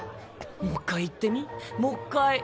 もっかい言ってみもっかい。